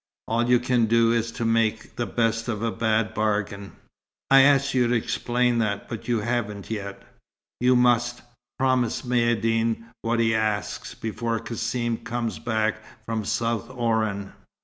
All you can do is to make the best of a bad bargain." "I asked you to explain that, but you haven't yet." "You must promise Maïeddine what he asks, before Cassim comes back from South Oran."